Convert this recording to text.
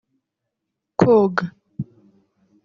Koga